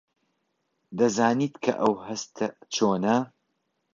دەزانیت کە ئەو هەستە چۆنە؟